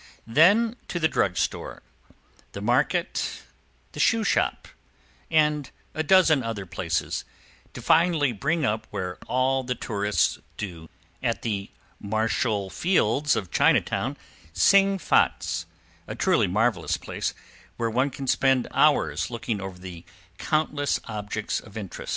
Then to the drug store, the market, the shoeshop, and a dozen other places, to finally bring up where all the tourists do at the "Marshall Field's" of Chinatown, Sing Fat's, a truly marvelous place, where one can spend hours looking over the countless objects of interest.